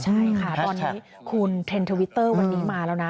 ใช่ค่ะตอนนี้คุณเทนทวิตเตอร์วันนี้มาแล้วนะ